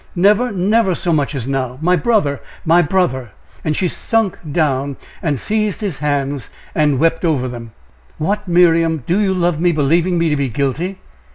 never, never so much as now! my brother! my brother!" and she sunk down and seized his hands and wept over them. "What, Miriam! do you love me, believing me to be guilty?"